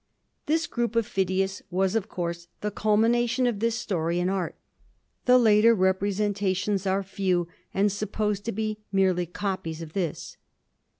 This group of Phidias was, of course, the culmination of this story in art. The later representations are few and supposed to be merely copies of this.